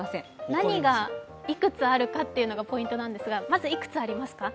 何がいくつあるかというのがポイントなんですがまずいくつありますか？